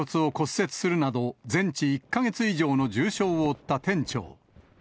頭蓋骨を骨折するなど、全治１か月以上の重傷を負った店長。